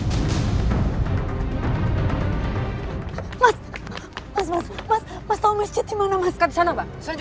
kau orang lu yaz terxeutaw kepada sandara hitam cil depois aku bahkan questuk ke na sarah di bentuk awan lu